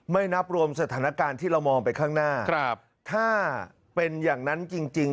นับรวมสถานการณ์ที่เรามองไปข้างหน้าถ้าเป็นอย่างนั้นจริง